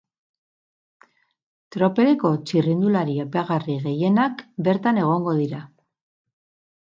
Tropeleko txirrindulari aipagarri gehienak bertan egongo dira.